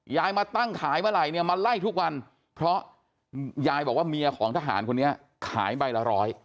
มาตั้งขายเมื่อไหร่เนี่ยมาไล่ทุกวันเพราะยายบอกว่าเมียของทหารคนนี้ขายใบละร้อย